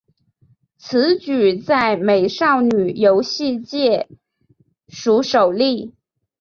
此举在美少女游戏界属首例。